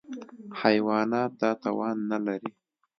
حیوانات دا توان نهلري.